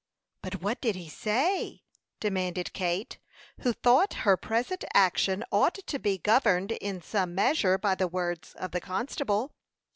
"But what did he say?" demanded Kate, who thought her present action ought to be governed in some measure by the words of the constable.